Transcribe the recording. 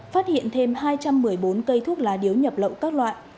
phát hiện thêm hai trăm một mươi bốn cây thuốc lá điếu nhập lậu các loại